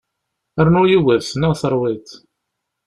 Rnu yiwet, neɣ terwiḍ?